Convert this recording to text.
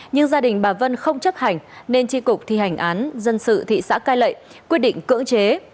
nhưng gia đình bà vân không chấp hành nên tri cục thi hành án dân sự thị xã cai lệ quyết định cưỡng chế